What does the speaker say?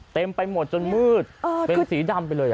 เต็มไปหมดจนมืดเป็นสีดำไปเลย